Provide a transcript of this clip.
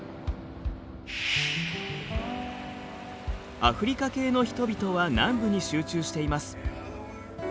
アフリカ系の人々は南部に集中しています。